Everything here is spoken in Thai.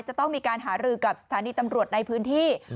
จะต้องมีการหารือกับสถานีตำรวจในพื้นที่